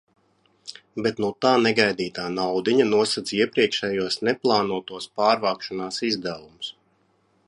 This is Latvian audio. Bet nu tā negaidītā naudiņa nosedz iepriekšējos neplānotos pārvākšanās izdevumus.